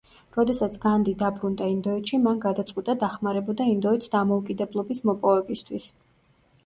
როდესაც განდი დაბრუნდა ინდოეთში, მან გადაწყვიტა დახმარებოდა ინდოეთს დამოუკიდებლობის მოპოვებისთვის.